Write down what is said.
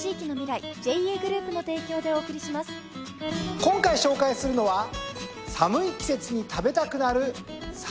今回紹介するのは寒い季節に食べたくなるサツマイモ。